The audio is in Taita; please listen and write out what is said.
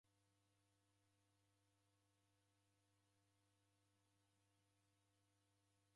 Ndeerekoghe haja ingi kumlasa uo mndu risasi.